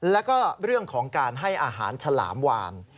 แล้วก็เรื่องของการให้อาหารฉลามวาน